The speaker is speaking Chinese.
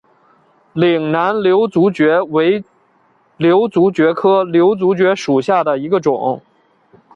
岭南瘤足蕨为瘤足蕨科瘤足蕨属下的一个种。